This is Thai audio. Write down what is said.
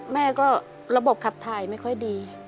แม่ก็ระบบขับถ่ายไม่ค่อยดี